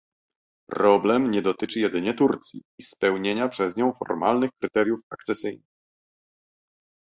Problem nie dotyczy jedynie Turcji i spełnienia przez nią formalnych kryteriów akcesyjnych